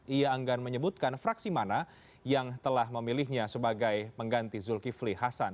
ia enggan menyebutkan fraksi mana yang telah memilihnya sebagai pengganti zulkifli hasan